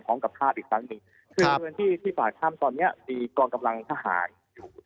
พร้อมกับภาพอีกครั้งหนึ่งคือพื้นที่ที่ปากถ้ำตอนเนี้ยมีกองกำลังทหารอยู่